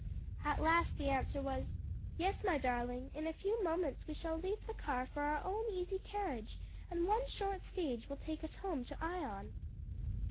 At last the answer was, "Yes, my darling; in a few moments we shall leave the car for our own easy carriage, and one short stage will take us home to Ion."